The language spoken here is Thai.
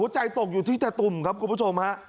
ใจตกอยู่ที่ตะตุ่มครับคุณผู้ชมฮะ